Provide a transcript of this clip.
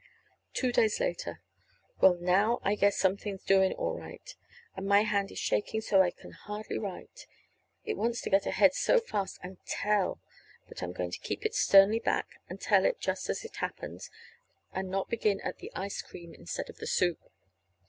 Two days later. Well, now I guess something's doing all right! And my hand is shaking so I can hardly write it wants to get ahead so fast and tell. But I'm going to keep it sternly back and tell it just as it happened, and not begin at the ice cream instead of the soup.